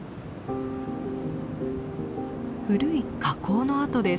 古い火口の跡です。